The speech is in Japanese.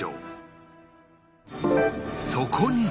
そこに